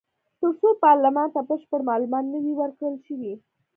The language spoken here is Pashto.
تر څو پارلمان ته بشپړ معلومات نه وي ورکړل شوي.